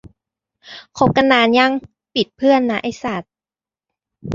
คบกันนานยัง ปิดเพื่อนนะ ไอ้สัด